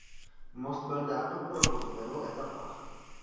Most byl dán do provozu ve dvou etapách.